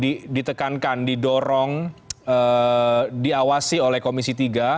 apa yang perlu ditekankan didorong diawasi oleh komisi tiga